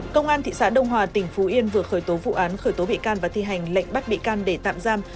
công an thị xã đông hòa tỉnh phú yên vừa khởi tố vụ án khởi tố bị can và thi hành lệnh bắt bị can để tạm giam